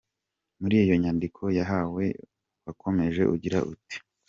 Muri iyo nyadiko yawe wakomeje ugira uti